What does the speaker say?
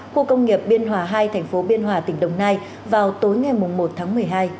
khu công nghiệp biên hòa hai thành phố biên hòa tỉnh đồng nai vào tối ngày một tháng một mươi hai